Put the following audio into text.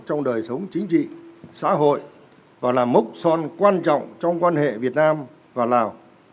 trong đời sống chính trị xã hội và là mốc son quan trọng trong quan hệ việt nam và lào